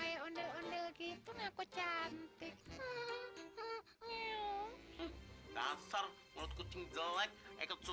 ya tetapi sedikit saja